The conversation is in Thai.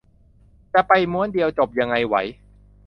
จะไปม้วนเดียวจบยังไงไหว